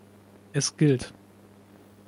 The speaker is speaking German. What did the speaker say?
Es gilt